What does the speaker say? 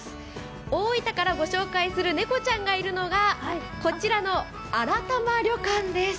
大分からご紹介する猫ちゃんがいるのが、こちらの新玉旅館です。